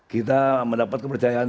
kita mendapat kepercayaan